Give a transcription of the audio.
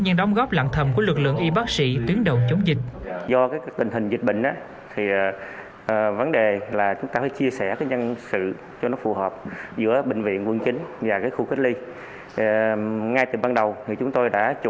những đóng góp lặng thầm của lực lượng y bác sĩ tuyến đầu chống dịch